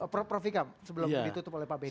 prof vika sebelum itu tutup oleh pak benny